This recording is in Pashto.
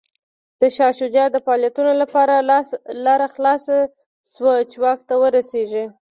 د شاه شجاع د فعالیتونو لپاره لاره خلاصه شوه چې واک ته ورسېږي.